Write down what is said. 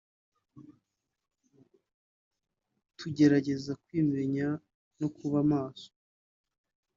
tugerageza kwimenya no kuba maso